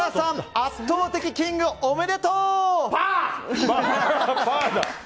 圧倒的キング、おめでとう！